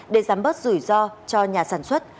để giảm bớt rủi ro cho nhà sản xuất